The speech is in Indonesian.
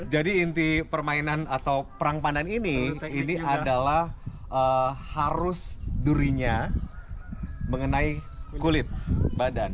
jadi inti permainan atau perang pandan ini ini adalah harus durinya mengenai kulit badan